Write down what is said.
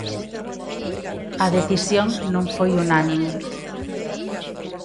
A decisión non foi unánime.